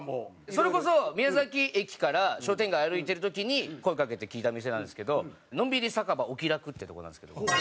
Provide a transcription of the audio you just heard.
それこそ宮崎駅から商店街歩いている時に声かけて聞いた店なんですけどのんびり酒場おきらくっていうとこなんですけども。